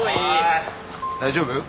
大丈夫？